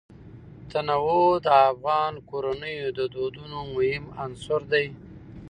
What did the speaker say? تنوع د افغان کورنیو د دودونو مهم عنصر دی.